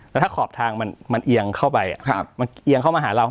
แล้วถ้าขอบทางมันเอียงเข้าไปมันเอียงเข้ามาหาเรา